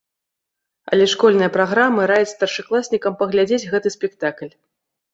Але школьныя праграмы раяць старшакласнікам паглядзець гэты спектакль.